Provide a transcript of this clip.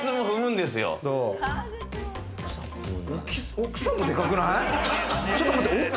奥さんもでかくない？